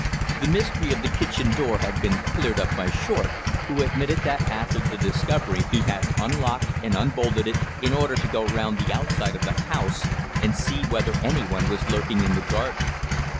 The mystery of the kitchen door had been cleared up by Short, who admitted that after the discovery he had unlocked and unbolted it, in order to go round the outside of the house and see whether anyone was lurking in the garden.